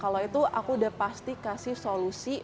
kalau itu aku udah pasti kasih solusi